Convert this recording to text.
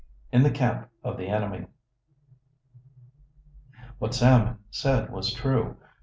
IN THE CAMP OF THE ENEMY. What Sam said was true.